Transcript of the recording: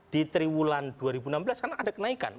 di triwulan dua ribu enam belas kan ada kenaikan